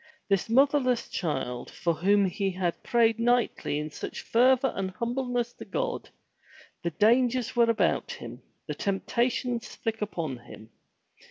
This motherless child, for whom he had prayed nightly in such a fervor and humbleness to God, the dangers were about him, the temptations thick upon him.